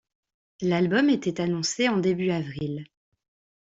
L'album était annoncé en début avril.